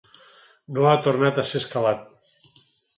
No ha tornat a ser escalat.